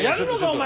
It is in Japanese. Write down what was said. お前！